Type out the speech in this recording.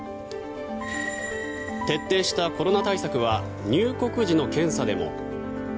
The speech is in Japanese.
徹底したコロナ対策は入国時の検査でも。